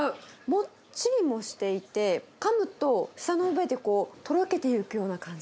もっちりもしていて、かむと舌の上でとろけていくような感じ。